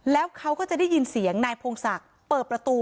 แล้วเขาก็จะได้ยินเสียงนายพงศักดิ์เปิดประตู